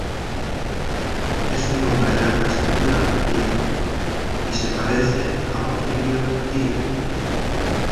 Es un hombre de alta estatura y edad, y se parece a Porfirio Díaz.